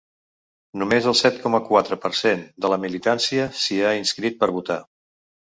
Només el set coma quatre per cent de la militància s’hi ha inscrit per votar.